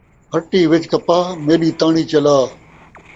ہٹی وِچ کپاہ ، میݙی تاݨی چلا